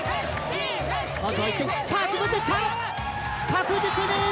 確実に！